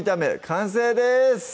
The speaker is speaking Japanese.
完成です